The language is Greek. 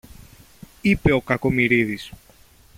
είπε ο Κακομοιρίδης